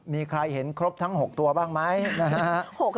มีใครเห็นครบทั้ง๖ตัวบ้างไหมนะฮะ